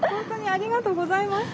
ありがとうございます。